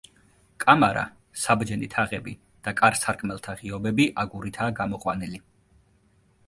კამარა, საბჯენი თაღები და კარ-სარკმელთა ღიობები აგურითაა გამოყვანილი.